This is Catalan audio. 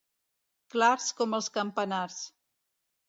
Clars com els campanars.